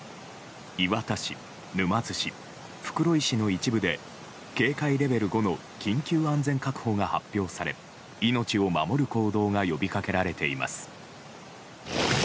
磐田市、沼津市、袋井市の一部で警戒レベル５の緊急安全確保が発表され命を守る行動が呼びかけられています。